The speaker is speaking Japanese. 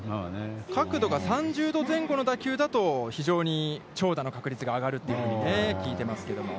角度が３０度前後の打球だと非常に長打の確率が上がるというふうに、聞いていますけども。